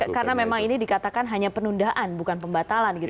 karena memang ini dikatakan hanya penundaan bukan pembatalan